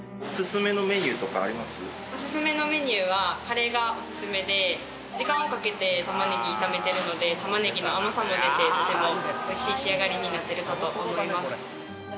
おすすめのメニューはカレーがおすすめで時間をかけて玉ねぎ炒めてるので玉ねぎの甘さも出てとても美味しい仕上がりになってるかと思います。